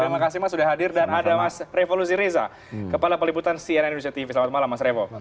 terima kasih mas sudah hadir dan ada mas revo lusiriza kepala peliputan cnn indonesia tv selamat malam mas revo